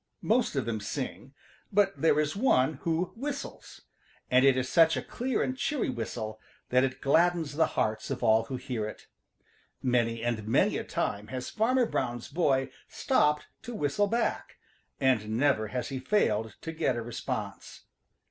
Most of them sing, but there is one who whistles, and it is such a clear and cheery whistle that it gladdens the hearts of all who hear it. Many and many a time has Farmer Brown's boy stopped to whistle back, and never has he failed to get a response.